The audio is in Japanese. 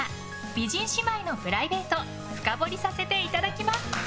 美人姉妹のプライベート深掘りさせていただきます！